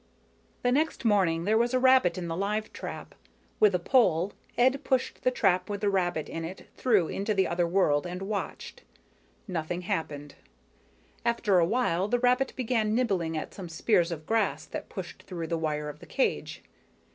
The next morning there was a rabbit in the live trap. With a pole, Ed pushed the trap with the rabbit in it through into the other world and watched. Nothing happened. After a while the rabbit began nibbling at some spears of grass that pushed through the wire of the cage.